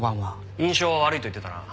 印象は悪いと言ってたな。